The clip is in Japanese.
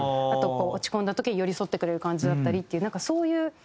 あと落ち込んだ時に寄り添ってくれる感じだったりっていうそういう。